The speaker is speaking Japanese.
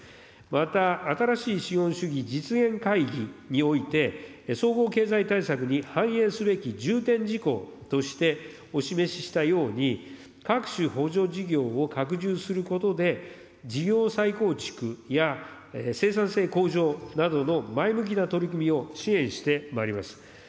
また新しい資本主義実現会議において、総合経済対策に反映すべき重点事項として、お示ししたように、各種補助事業を拡充することで、事業再構築や生産性向上などの前向きな取り組みを支援してまいります。